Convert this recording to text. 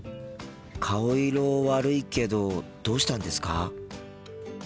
顔色悪いけどどうしたんですか？